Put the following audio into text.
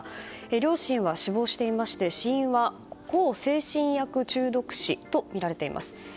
両親は死亡していまして死因は向精神薬中毒死とみられています。